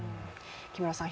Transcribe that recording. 木村さん